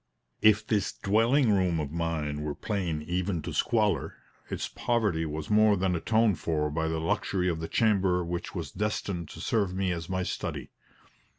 If this dwelling room of mine were plain even to squalor, its poverty was more than atoned for by the luxury of the chamber which was destined to serve me as my study.